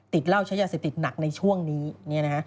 ติดเล่าใช้ยาเศษติดหนักในช่วงนี้เหมือนแบบนี้นะ